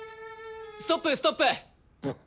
ストップストップ！